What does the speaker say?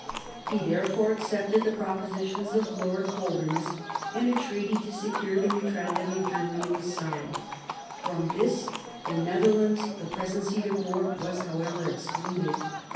He therefore accepted the propositions of Lord Holderness, and a treaty to secure the neutrality of Germany was signed: From this, the / 108 MARIA THERESA chap, v Netherlands, the present seat of war, was however excluded.